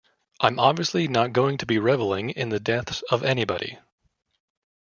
I'm obviously not going to be revelling in the deaths of anybody.